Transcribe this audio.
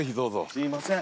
すいません